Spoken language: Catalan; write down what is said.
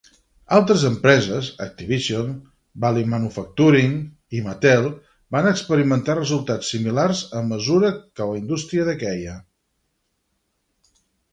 Altres empreses -Activision, Bally Manufacturing i Mattel- van experimentar resultats similars a mesura que la indústria dequeia.